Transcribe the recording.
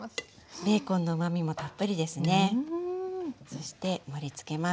そして盛りつけます。